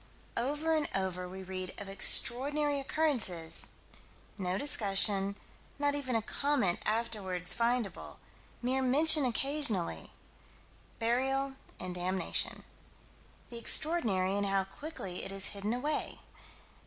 Over and over we read of extraordinary occurrences no discussion; not even a comment afterward findable; mere mention occasionally burial and damnation. The extraordinary and how quickly it is hidden away.